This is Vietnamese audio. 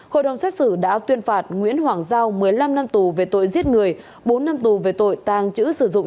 hội đồng xét xử đã tuyên phạt nguyễn hoàng giao một mươi năm năm tù về tội giết người bốn năm tù về tội tàng trữ sử dụng